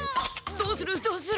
どうするどうする？